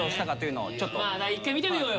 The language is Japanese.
一回見てみようよ。